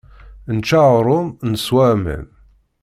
Nečča aɣrum, neswa aman.